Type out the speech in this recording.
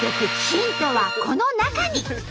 ヒントはこの中に！